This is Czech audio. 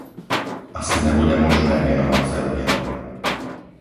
Asi nebude možné věnovat se oběma.